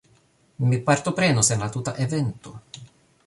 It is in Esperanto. Mi partoprenos en la tuta evento